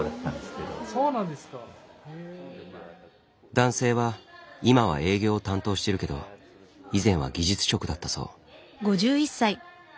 男性は今は営業を担当してるけど以前は技術職だったそう。